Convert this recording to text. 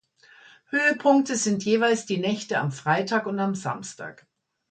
Höhepunkte sind jeweils die Nächte am Freitag und am Samstag.